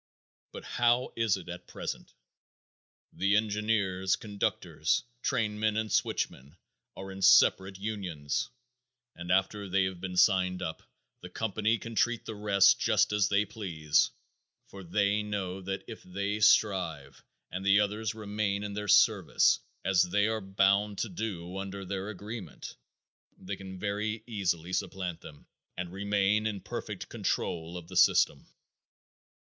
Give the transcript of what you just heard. But how is it at present? The engineers, conductors, trainmen and switchmen are in separate unions and after they have been signed up, the company can treat the rest just as they please, for they know that if they strike and the others remain in their service, as they are bound to do under their agreement, they can very easily supplant them and remain in perfect control of the system.